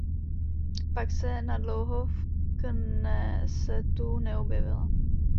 Pak se nadlouho v Knesetu neobjevila.